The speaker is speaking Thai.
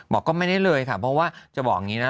บอกก็ไม่ได้เลยค่ะเพราะว่าจะบอกอย่างนี้นะ